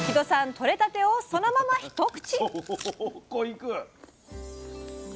とれたてをそのまま一口！